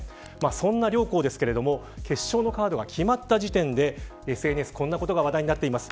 そんな両校ですけれども決勝のカードが決まった時点でＳＮＳ、こんなことが話題になっています。